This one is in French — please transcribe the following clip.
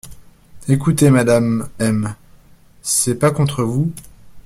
Écoutez, Madame M, c’est pas contre vous...